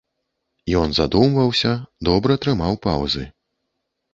Ён задумваўся, добра трымаў паўзы.